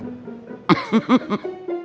gue telpon putri ya